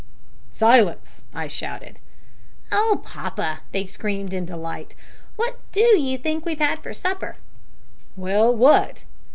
"`Silence!' I shouted. "`Oh, papa!' they screamed, in delight, `what do you think we've had for supper?' "`Well, what?'